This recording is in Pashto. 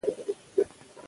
انساني حافظه یو ارزښت دی.